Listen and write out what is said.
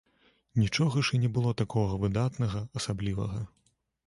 Нічога ж і не было такога выдатнага, асаблівага.